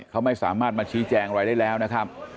เขาไม่สามารถมาชี้แจงอะไรได้แล้วนะครับ